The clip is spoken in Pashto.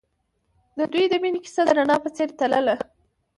د دوی د مینې کیسه د رڼا په څېر تلله.